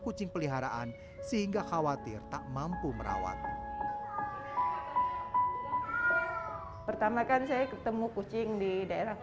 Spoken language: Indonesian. kucing peliharaan sehingga khawatir tak mampu merawat pertama kan saya ketemu kucing di daerah